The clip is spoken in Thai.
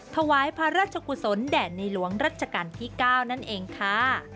ถวายพระราชกุศลแด่ในหลวงรัชกาลที่๙นั่นเองค่ะ